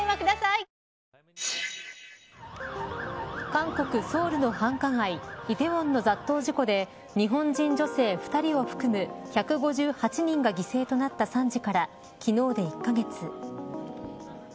韓国、ソウルの繁華街梨泰院の雑踏事故で日本人女性２人を含む１５８人が犠牲となった惨事から昨日で１カ月。